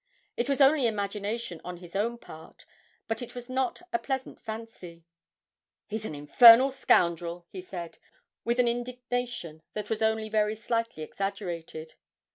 It was only imagination on his own part, but it was not a pleasant fancy. 'He's an infernal scoundrel!' he said, with an indignation that was only very slightly exaggerated.